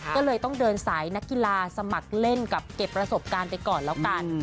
ก็เลยต้องเดินสายนักกีฬาสมัครเล่นกับเก็บประสบการณ์ไปก่อนแล้วกัน